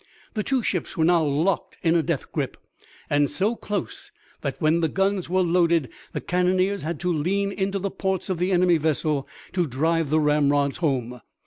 The two ships were now locked in a death grip, and so close that when the guns were loaded the cannoneers had to lean into the ports of the enemy vessel to drive the ramrods home.